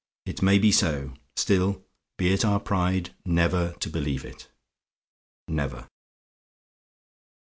It may be so; still, be it our pride never to believe it. NEVER!